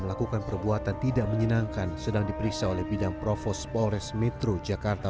melakukan perbuatan tidak menyenangkan sedang diperiksa oleh bidang provos polres metro jakarta